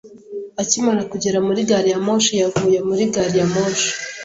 Akimara kugera muri gari ya moshi, yavuye muri gari ya moshi.